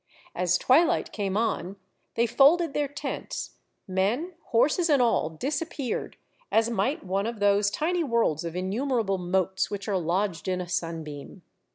As twilight came on, they folded their tents ; men, horses, and all disappeared, as might one of those tiny worlds of innumerable motes which are lodged in a sunbeam.